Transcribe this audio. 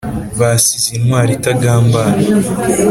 basize intwali itagambana